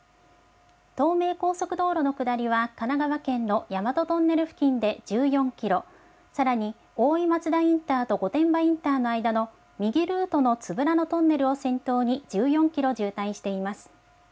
東名高速道路の下りは神奈川県の大和トンネル付近で１４キロ、さらに大井松田インターと御殿場インターの間の右ルートのつぶらのトンネルを先頭に１４キロ渋滞しています。